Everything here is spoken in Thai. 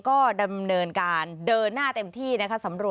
ก็ดำเนินการเดินหน้าเต็มที่นะคะ